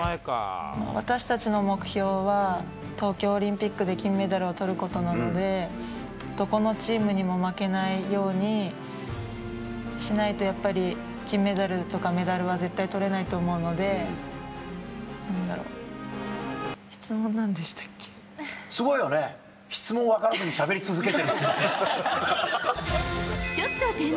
私たちの目標は、東京オリンピックで金メダルをとることなので、どこのチームにも負けないようにしないとやっぱり、金メダルとかメダルは絶対とれないと思うので、なんだろ、質問なすごいよね、質問分からずにしゃべり続けてるってね。